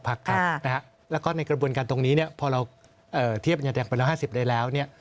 พักครับนะฮะแล้วก็ในกระบวนการตรงนี้เนี่ยพอเราเทียบยาแดงไปแล้ว๕๐ได้แล้วเนี่ย